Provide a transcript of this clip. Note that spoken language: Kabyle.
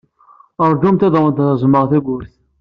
Ṛjumt ad awent-reẓmeɣ tawwurt.